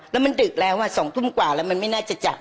แล้วมันดึกแล้ว๒ทุ่มกว่าแล้วมันไม่น่าจะจัด